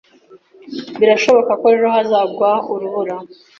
Birashoboka ko ejo hazagwa urubura.